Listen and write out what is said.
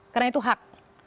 karena itu hak